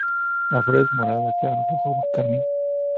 La flor es morada claro y rojo carmín.